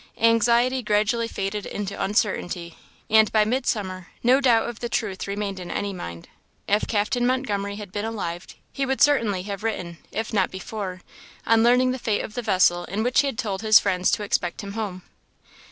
Anxiety gradually faded into uncertainty; and by midsummer, no doubt of the truth remained in any mind. If Captain Montgomery had been alive, he would certainly have written, if not before, on learning the fate of the vessel in which he had told his friends to expect him home.